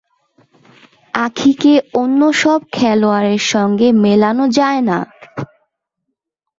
আঁখিকে অন্য সব খেলোয়াড়ের সঙ্গে মেলানো যায় না।